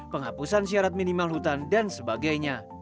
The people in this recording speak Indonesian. penghapusan syarat minimal hutan dan sebagainya